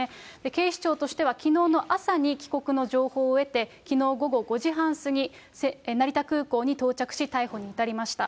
警視庁としては、きのうの朝に帰国の情報を得て、きのう午後５時半過ぎ、成田空港に到着し、逮捕に至りました。